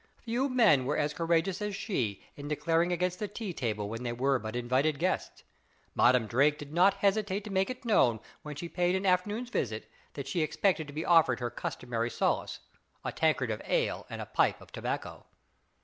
Few men were as courageous as she in declaring against the tea table when they were but invited guests. Madam Drake did not hesitate to make it known when she paid an afternoon's visit that she expected to be offered her customary solace a tankard of ale and a pipe of tobacco.